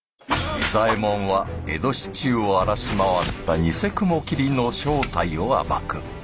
仁左衛門は江戸市中を荒らし回ったにせ雲霧の正体を暴く。